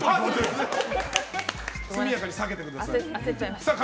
速やかに下げてください。